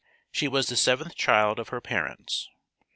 She was the seventh child of her parents.